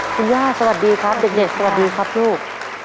คุณย่าสวัสดีครับเด็กสวัสดีครับลูก